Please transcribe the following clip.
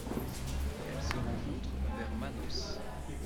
Elle se rencontre vers Manaus.